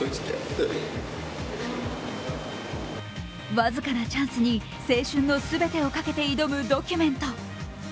僅かなチャンスに青春の全てをかけて挑むドキュメント。